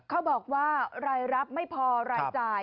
เขาบอกว่ารายรับไม่พอรายจ่าย